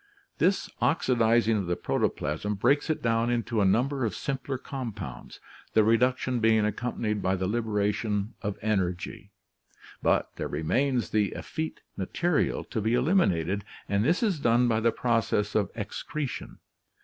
This oxidizing of the protoplasm breaks it down into a number of simpler compounds, the reduction being accompanied by the liberation of energy; but there remains the effete material to be eliminated and this is done by the process of excretion.